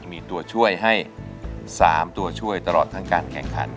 มีตัวช่วยให้๓ตัวช่วยตลอดทั้งการแข่งขัน